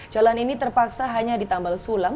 jalan ini terpaksa hanya ditambal sulang